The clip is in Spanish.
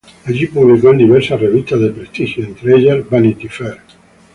Allí publicó en diversas revistas de prestigio, entre ellas "Vanity Fair".